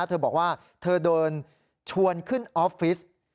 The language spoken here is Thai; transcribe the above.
เธอบอกว่าเธอโดนชวนขึ้นออฟฟิศ